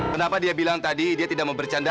kenapa dia bilang tadi dia tidak mau bercanda